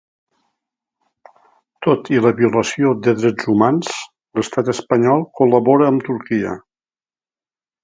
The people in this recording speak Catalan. Tot i la violació de drets humans, l'estat espanyol col·labora amb Turquia.